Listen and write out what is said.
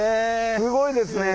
すごいですね。